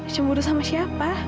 cemburu sama siapa